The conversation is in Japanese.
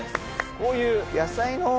こういう。